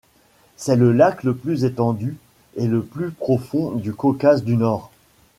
C'est le lac le plus étendu et le plus profond du Caucase du Nord.